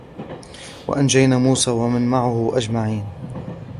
وَأَنْجَيْنَا مُوسَى وَمَنْ مَعَهُ أَجْمَعِينَ